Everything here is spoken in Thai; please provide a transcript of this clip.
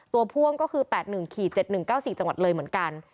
พ่วงก็คือ๘๑๗๑๙๔จังหวัดเลยเหมือนกัน